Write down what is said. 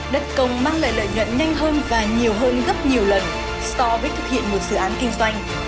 đất công mang lại lợi nhuận nhanh hơn và nhiều hơn gấp nhiều lần so với thực hiện một dự án kinh doanh